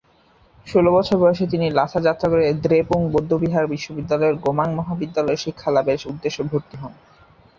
ষোল বছর বয়সে তিনি লাসা যাত্রা করে দ্রেপুং বৌদ্ধবিহার বিশ্ববিদ্যালয়ের গোমাং মহাবিদ্যালয়ে শিক্ষালাভের উদ্দেশ্যে ভর্তি হন।